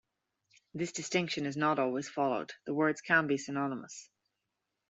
This distinction is not always followed; the words can be synonymous.